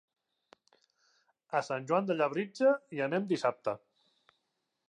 A Sant Joan de Labritja hi anem dissabte.